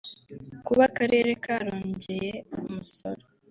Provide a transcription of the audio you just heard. Kuba akarere karongereye umusoro